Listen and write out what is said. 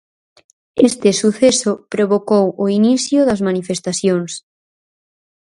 Este suceso provocou o inicio das manifestacións.